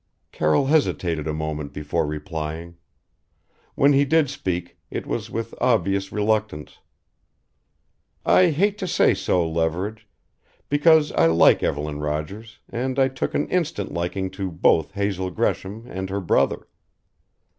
Carroll hesitated a moment before replying. When he did speak it was with obvious reluctance: "I hate to say so, Leverage because I like Evelyn Rogers and I took an instant liking to both Hazel Gresham and her brother.